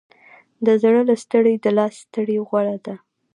د زړه له ستړې، د لاس ستړې غوره ده.